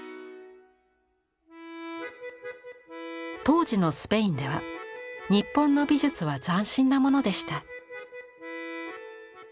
当時のスペインでは日本の美術は斬新なものでした。